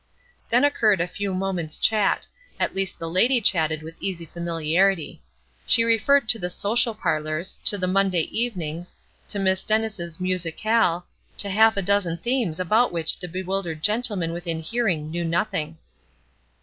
Then occurred a few moments' chat; at least the lady chatted with easy familiarity. She referred to the "Social Parlors," to the "Monday Evenings," to Miss Dennis' "Musicale," to half a dozen themes about which the bewildered gentlemen within hearing knew nothing.